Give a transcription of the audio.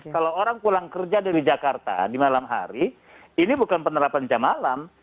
kalau orang pulang kerja dari jakarta di malam hari ini bukan penerapan jam malam